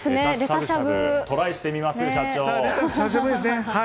トライしてみます、社長。